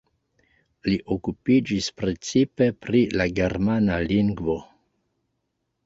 Li okupiĝis precipe pri la germana lingvo.